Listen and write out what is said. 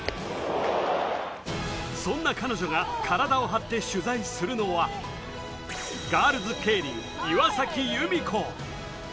そんな彼女が体を張って取材するのは、ガールズケイリン、岩崎ゆみこ。